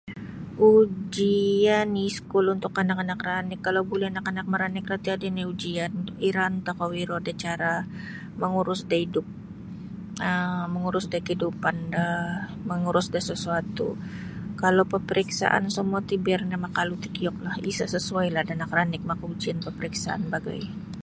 Ujian iskul untuk anak-anak ranik kalau buli anak-anak maranik roti adai nio ujian iraan tokou iro da cara mangurus da idup um mangurus da kaidupan do mangurus da sasuatu'. Kalau papariksaan samua ti biar nio makalu takiuklah isa' sasuailah da anak ranik makaujian bagai.